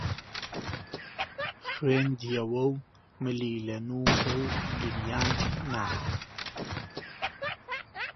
خوێندیەوە و ملی لە نووکە و گریان نا